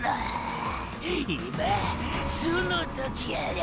今その時やよ